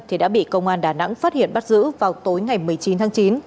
thì đã bị công an đà nẵng phát hiện bắt giữ vào tối ngày một mươi chín tháng chín